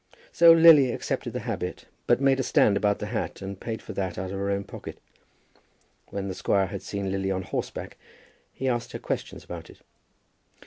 So Lily accepted the habit; but made a stand at the hat, and paid for that out of her own pocket. When the squire had seen Lily on horseback he asked her questions about it.